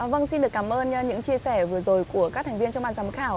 vâng xin được cảm ơn những chia sẻ vừa rồi của các thành viên trong ban giám khảo